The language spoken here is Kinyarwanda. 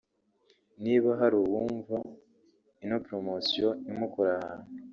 niba hari uwunva ino promosiyo imukora ahantu